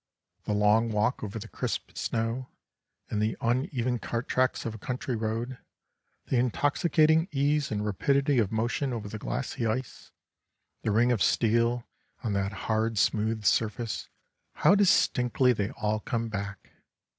The long walk over the crisp snow and the uneven cart tracks of a country road, the intoxicating ease and rapidity of motion over the glassy ice, the ring of steel on that hard, smooth surface, how distinctly they all come back!